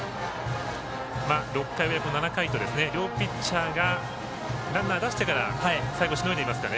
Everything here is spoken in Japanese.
６回と７回と両ピッチャーがランナー出してから最後しのいでいますかね。